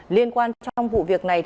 liên quan trong vụ việc này